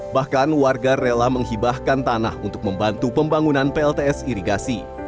bahkan warga rela menghibahkan tanah untuk membantu pembangunan plts irigasi